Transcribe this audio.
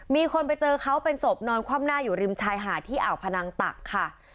มีคนไปเจอเขาเป็นศพนอนคว่ำหน้าอยู่ริมชายหาดที่อ่าวพนังตักค่ะ